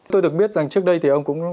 tôi được biết rằng trước đây thì ông cũng